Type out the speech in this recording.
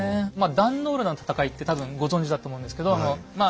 壇の浦の戦いって多分ご存じだと思うんですけどま